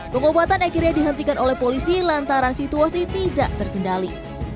pengobatan akhirnya dihentikan oleh polisi lantaran situasi tidak terkendali